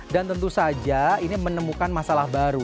dan tentu saja ini menemukan masalah baru